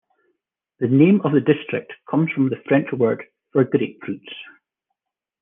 The name of the district comes from the French word for grapefruits.